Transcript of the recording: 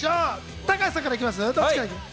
隆さんからいきます？